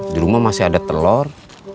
di rumah masih ada telur